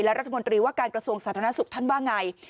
รัฐมนตรีว่าการกระทรวงสาธารณสุขท่านว่าไง